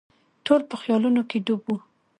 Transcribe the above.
ټول په خیالونو کې ډوب وو.